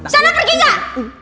sana pergi gak